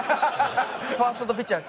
ファーストとピッチャー。